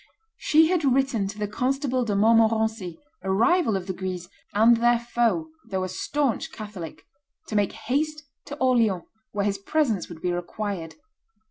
She had written to the Constable de Montmorency, a rival of the Guises and their foe though a stanch Catholic, to make haste to Orleans, where his presence would be required.